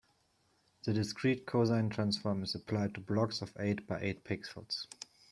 The discrete cosine transform is applied to blocks of eight by eight pixels.